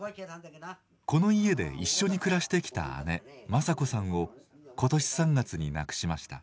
この家で一緒に暮らしてきた姉政子さんを今年３月に亡くしました。